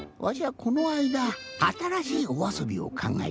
このあいだあたらしいおあそびをかんがえたんじゃ。